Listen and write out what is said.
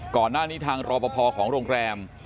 ก่อนหน้านี้ทางรอปภของโรงแรม